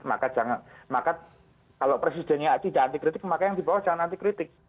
maka jangan maka kalau presidennya tidak anti kritik maka yang di bawah jangan anti kritik